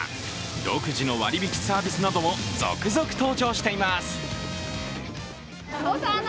独自の割引サービスなども続々登場しています。